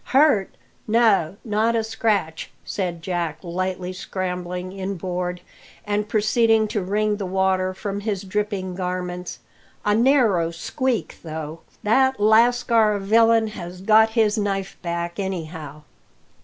"Hurt? No, not a scratch," said Jack lightly, scrambling inboard, and proceeding to wring the water from his dripping garments. "A narrow squeak, though. That lascar villain has got his knife back, anyhow."